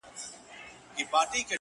ځيني يې لوړ هنر بولي تل،